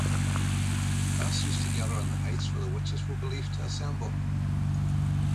Lads used to gather on the heights where the witches were believed to assemble.